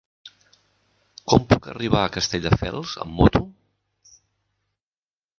Com puc arribar a Castelldefels amb moto?